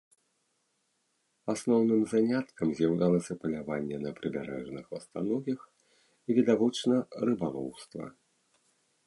Асноўным заняткам з'яўлялася паляванне на прыбярэжных ластаногіх, відавочна рыбалоўства.